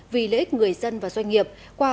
vì lợi ích người dân và doanh nghiệp